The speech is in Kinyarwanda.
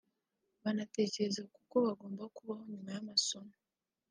banatekereza ku ko bagomba kubaho nyuma y’amasomo